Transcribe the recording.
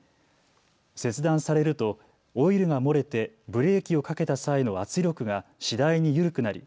切断されるとオイルが漏れてブレーキをかけた際の圧力が次第に緩くなり